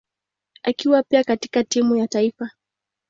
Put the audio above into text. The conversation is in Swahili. akiwa pia katika timu ya taifa.